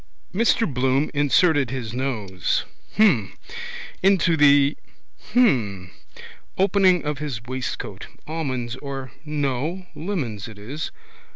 Mr Bloom inserted his nose. Hm. Into the. Hm. Opening of his waistcoat. Almonds or. No. Lemons it is.